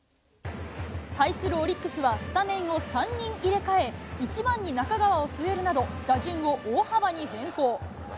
対するオリックスは、スタメンを３人入れ替え、１番に中川を据えるなど、打順を大幅に変更。